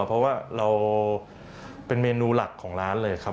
เพราะว่าเราเป็นเมนูหลักของร้านเลยครับ